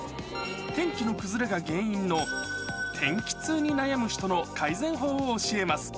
天気の崩れが原因の天気痛に悩む人の改善法を教えます。